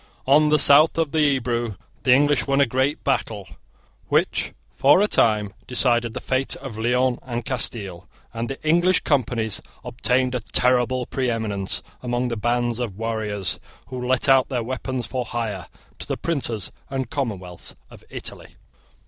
On the south of the Ebro the English won a great battle, which for a time decided the fate of Leon and Castile; and the English Companies obtained a terrible preeminence among the bands of warriors who let out their weapons for hire to the princes and commonwealths of Italy.